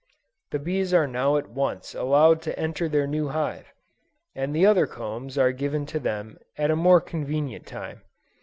The bees are now at once allowed to enter their new hive, and the other combs are given to them at a more convenient time.